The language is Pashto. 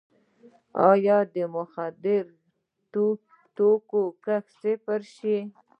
آیا د مخدره توکو کښت صفر شوی؟